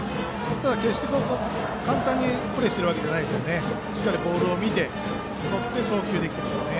ただ決して簡単にプレーしているわけじゃなくしっかりボールを見てとって送球できていますね。